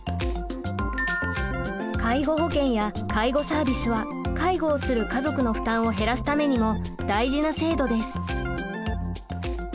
介護保険や介護サービスは介護をする家族の負担を減らすためにも大事な制度です。